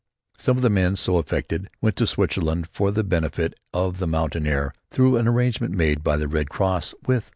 Some of the men so affected were sent to Switzerland for the benefit of the mountain air through an arrangement made by the Red Cross with the Swiss authorities.